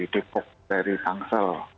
depok dari kangsel